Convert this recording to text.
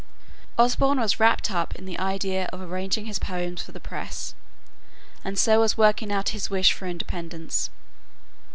Osborne was wrapt up in the idea of arranging his poems for the press, and so working out his wish for independence.